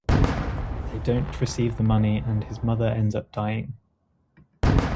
They don’t receive the money and his mother ends up dying.